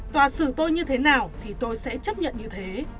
tòa xưởng tôi như thế nào thì tôi sẽ chấp nhận như thế